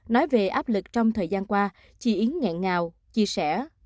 nói về áp lực trong thời gian qua chị yến ngẹn ngào chia sẻ